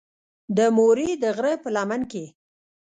د مورې د غرۀ پۀ لمن کښې